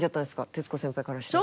徹子先輩からしたら。